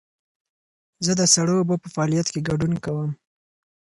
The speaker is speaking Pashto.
زه د سړو اوبو په فعالیت کې ګډون کوم.